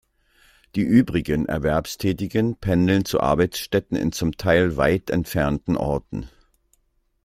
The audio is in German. Die übrigen Erwerbstätigen pendeln zu Arbeitsstätten in zum Teil weit entfernten Orten.